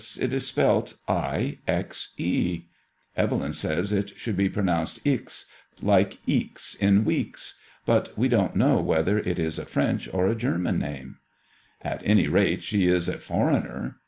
It is spelt I— X— E. Evelyn says it should be pro nounced Ixe, like 'eeks in weeks, but we don't know whether it it a French or a German name." < MADEMOISELLE IXS. it At any rate, she is a foreigner